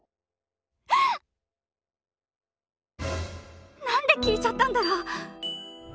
ええ！？何で聞いちゃったんだろう。